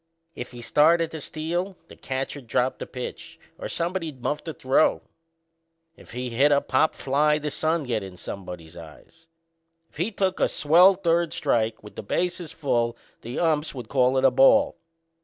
If he started to steal the catcher'd drop the pitch or somebody'd muff the throw. If he hit a pop fly the sun'd get in somebody's eyes. If he took a swell third strike with the bases full the umps would call it a ball.